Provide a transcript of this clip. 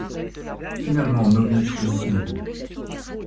Finalement Novi trouve Umbu.